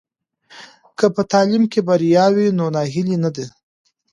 که په تعلیم کې بریا وي نو ناهیلي نه وي.